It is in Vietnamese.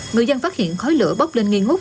người dân phát hiện khói lửa bốc lên nghi ngút